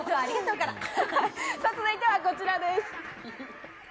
続いてはこちらです。